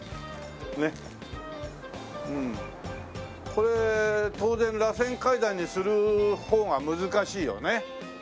これ当然らせん階段にする方が難しいよね。